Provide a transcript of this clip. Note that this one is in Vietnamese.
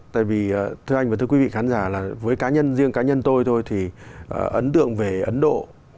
tại vì thưa anh và thưa quý vị khán giả là với cá nhân riêng cá nhân tôi thôi thì ấn tượng về ấn độ